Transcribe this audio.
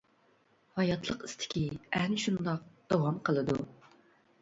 ھاياتلىق ئىستىكى ئەنە شۇنداق داۋام قىلىدۇ.